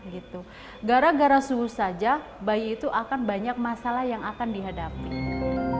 gara gara suhu saja bayi itu akan banyak masalah yang akan dihadapi